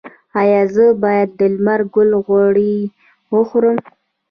ایا زه باید د لمر ګل غوړي وخورم؟